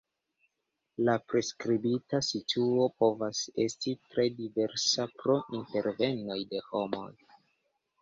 La priskribita situo povas esti tre diversa pro intervenoj de homo.